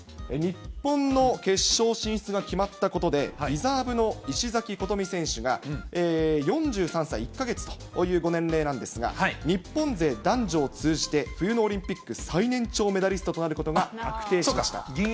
日本の決勝進出が決まったことで、リザーブの石崎琴美選手が、４３歳１か月というご年齢なんですが、日本勢男女を通じて、冬のオリンピック最年長メダリストとなることが確定しました。